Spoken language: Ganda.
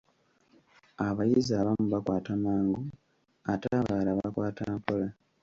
Abayizi abamu bakwata mangu, ate abalala bakwata mpola.